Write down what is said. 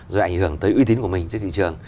rồi ảnh hưởng tới uy tín của mình trên thị trường